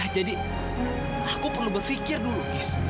jadi aku perlu berpikir dulu gis